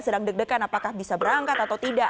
sedang deg degan apakah bisa berangkat atau tidak